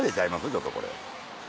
ちょっとこれ。